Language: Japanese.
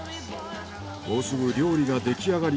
もうすぐ料理ができあがり